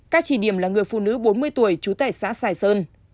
các chỉ điểm là người phụ nữ bốn mươi tuổi trú tại xã sài sơn